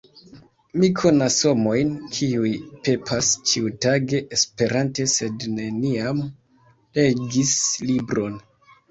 Mi konas homojn, kiuj pepas ĉiutage esperante sed neniam legis libron.